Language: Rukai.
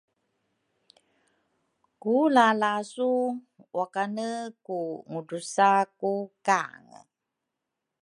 ku lalasu wakane ku ngudrusa ku kange.